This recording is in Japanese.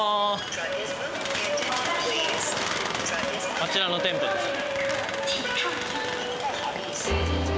あちらの店舗ですね。